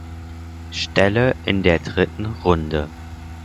Stelle in der dritten Runde.